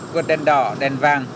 gần đèn đỏ đèn vàng